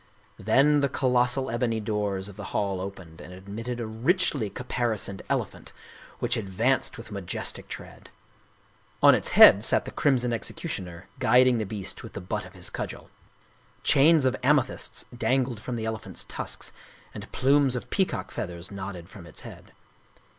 Then the colossal ebony doors of the hall opened and ad mitted a richly caparisoned elephant, which advanced with majestic tread. On its head sat the crimson executioner guiding the beast with the butt of his cudgel. Chains of amethysts dangled from the elephant's tusks, and plumes of peacock feathers nodded from its head.